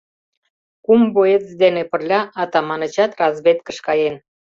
Кум боец дене пырля Атаманычат разведкыш каен.